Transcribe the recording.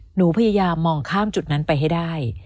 หนูพยายามมองข้ามจุดนั้นไปให้ได้